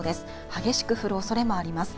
激しく降るおそれもあります。